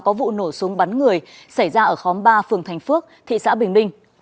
có vụ nổ súng bắn người xảy ra ở khóm ba phường thành phước thị xã bình minh